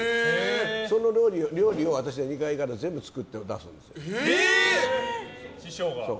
その料理を私は２階から全部作って出すんですよ。